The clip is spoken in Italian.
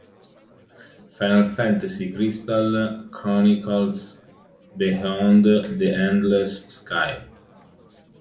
Final Fantasy Crystal Chronicles: Beyond the Endless Sky